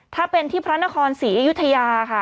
ถ้าเป็นที่พระนครศรีอยุธยาค่ะ